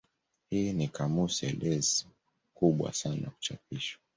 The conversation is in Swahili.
Hii ni kamusi elezo kubwa sana ya kuchapishwa.